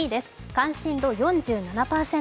関心度４７％。